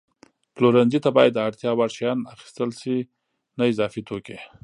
پلورنځي ته باید د اړتیا وړ شیان اخیستل شي، نه اضافي توکي.